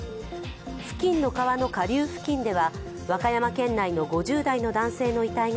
付近の川の下流付近では和歌山県内の５０代の男性の遺体が